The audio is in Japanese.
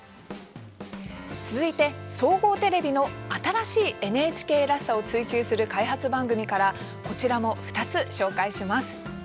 続いて、総合テレビの新しいＮＨＫらしさを追求する開発番組からこちらも２つ紹介します。